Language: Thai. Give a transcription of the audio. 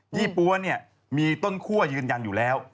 ี่ปั๊วเนี่ยมีต้นคั่วยืนยันอยู่แล้ว